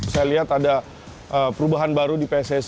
saya lihat ada perubahan baru di pssi